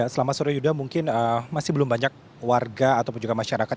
selamat sore yuda mungkin masih belum banyak warga ataupun juga masyarakat